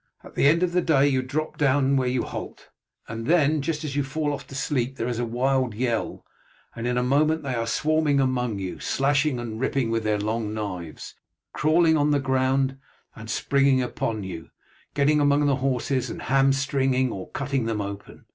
At the end of the day you drop down where you halt, and then just as you fall off to sleep there is a wild yell, and in a moment they are swarming among you, slashing and ripping with their long knives, crawling on the ground and springing upon you, getting among the horses and hamstringing or cutting them open.